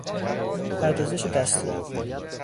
پردازش دستهای